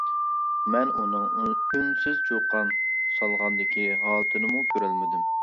مەن ئۇنىڭ ئۈنسىز چۇقان سالغاندىكى ھالىتىنىمۇ كۆرەلمىدىم.